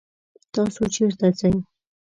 تاسو چرته ځئ؟